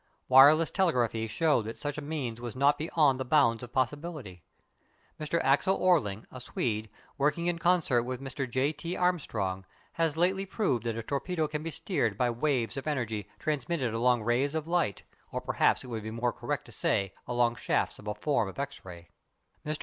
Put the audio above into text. Wireless telegraphy showed that such a means was not beyond the bounds of possibility. Mr. Axel Orling, a Swede, working in concert with Mr. J. T. Armstrong, has lately proved that a torpedo can be steered by waves of energy transmitted along rays of light, or perhaps it would be more correct to say along shafts of a form of X rays. Mr.